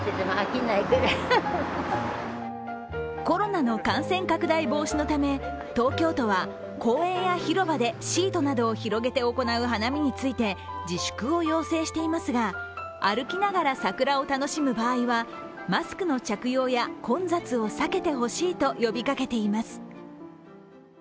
コロナの感染拡大防止のため東京都は公園や広場でシートなどを広げて行う花見について自粛を要請していますが、歩きながら桜を楽しむ場合は、マスクの着用や混雑を避けてほしいと呼びかけています。